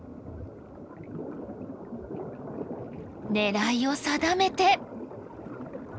狙いを定めて。